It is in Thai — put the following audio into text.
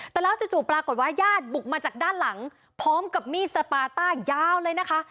แต่แล้วจู่ปรากฏว่าญาติบุกมาจากด้านหลังพร้อมกับมีดสปาต้ายาวเลยนะคะ